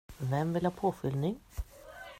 Vem vill ha påfyllning?